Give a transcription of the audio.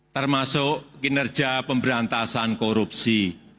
termasuk kinerja pemberantasan korupsi